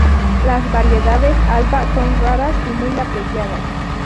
Las variedades "Alba" son raras y muy apreciadas.